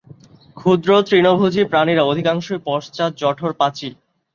ক্ষুদ্র তৃণভোজী প্রাণীরা অধিকাংশই পশ্চাত-জঠর-পাচী।